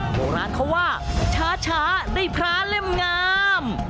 โบราณเขาว่าช้าได้พระเล่มงาม